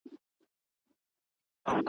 لکه نسیم د ګل پر پاڼوپانو ونڅېدم ,